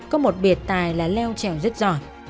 có một biệt tài là leo trèo rất giỏi